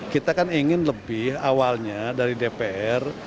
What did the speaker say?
kita kan ingin lebih awalnya dari dpr